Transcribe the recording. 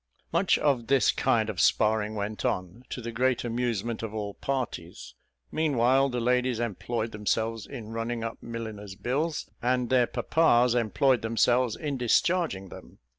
Much of this kind of sparring went on, to the great amusement of all parties; meanwhile, the ladies employed themselves in running up milliner's bills, and their papas employed themselves in discharging them.